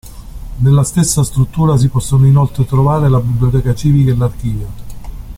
Nella stessa struttura si possono inoltre trovare la Biblioteca Civica e l'archivio.